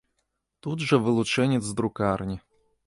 Тут жа вылучэнец з друкарні.